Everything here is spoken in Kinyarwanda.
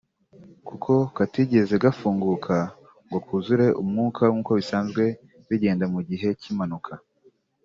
kuko katigeze gafunguka ngo kuzure umwuka nk’uko bisanzwe bigenda mu gihe cy’impanuka